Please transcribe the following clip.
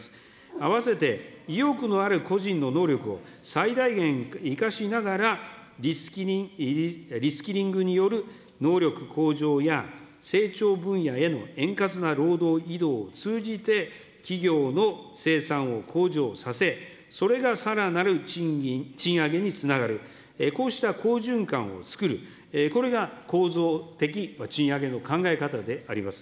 合わせて、意欲のある個人の能力を最大限生かしながら、リスキリングによる能力向上や成長分野への円滑な労働移動を通じて企業の生産を向上させ、それがさらなる賃金、賃上げにつながる、こうした好循環をつくる、これが構造的賃上げの考え方であります。